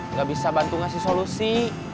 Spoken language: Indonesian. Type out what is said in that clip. nggak bisa bantu ngasih solusi